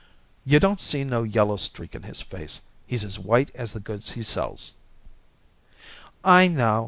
You don't see no yellow streak in his face; he's as white as the goods he sells." "I know.